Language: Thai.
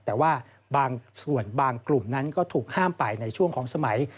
แต่ว่าบางส่วนบางกลุ่มนั้นก็ถูกห้ามไปในช่วงของสมัย